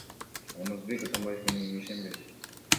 Алмазбек Атамбаев менен кеңешемби?